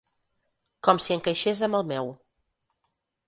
Com si encaixés amb el meu.